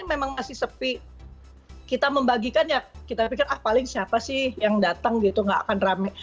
tapi kebelakangan ini udah mulai makin rame ya kita membagikan ya kita pikir ah paling siapa sih yang datang gitu enggak akan rame